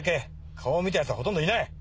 顔を見たやつはほとんどいない！